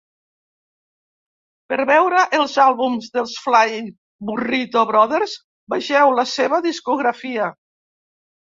Per veure els àlbums dels Flying Burrito Brothers vegeu la seva discografia.